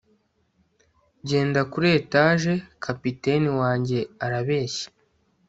genda kuri etage kapiteni wanjye arabeshya